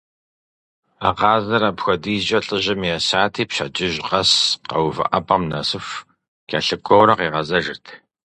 А къазыр апхуэдизӏэ лӏыжьым есати, пщэдджыжь къэс къэувыӏэпӏэм нэсыху кӏэлъыкӏуэурэ къигъэзэжырт.